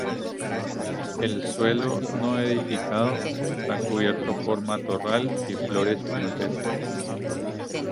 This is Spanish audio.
El suelo no edificado está cubierto por matorral y flores silvestres.